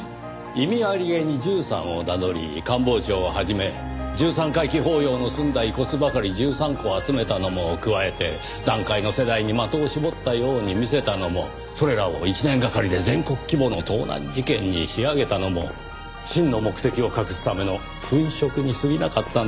意味ありげに１３を名乗り官房長を始め十三回忌法要の済んだ遺骨ばかり１３個集めたのも加えて団塊の世代に的を絞ったように見せたのもそれらを一年がかりで全国規模の盗難事件に仕上げたのも真の目的を隠すための粉飾にすぎなかったんですよ。